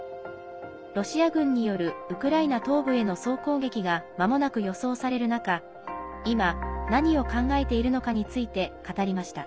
ロシア軍によるウクライナ東部への総攻撃がまもなく予想される中今、何を考えているのかについて語りました。